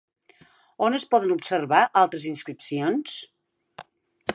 On es poden observar altres inscripcions?